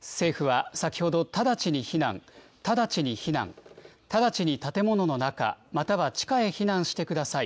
政府は先ほど、直ちに避難、直ちに避難、直ちに建物の中、または地下へ避難してください。